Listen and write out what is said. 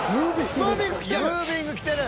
ムービングきてる！